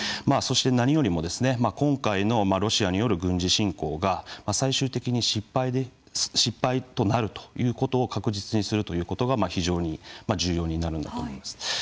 そして、何よりも今回のロシアによる軍事侵攻が、最終的に失敗となるということを確実にするということが非常に重要になるんだと思います。